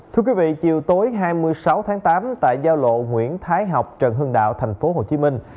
thưa quý vị chiều tối hai mươi sáu tháng tám tại giao lộ nguyễn thái học trần hương đạo tp hcm